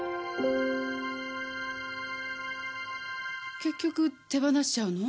結局手放しちゃうの？